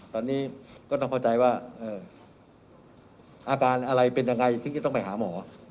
ตอนนี้ก็ต้องเข้าใจว่าอาการอะไรเป็นยังไงถึงจะต้องไปหาหมอ